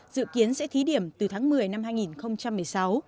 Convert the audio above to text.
dự kiến sẽ thí điểm từ tháng một mươi năm hai nghìn một mươi sáu